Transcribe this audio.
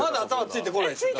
ついてこないです。